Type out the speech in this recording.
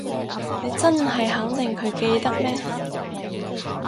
你真係肯定佢記得咩？